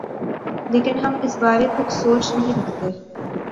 لیکن ہم اس بارے کچھ سوچ نہیں رکھتے۔